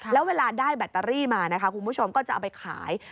แล้วเวลาได้แบตเตอรี่มานะคะคุณผู้ชมก็จะเอาไปขาย